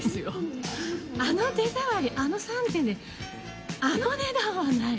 あの手触りあの３点であの値段はない。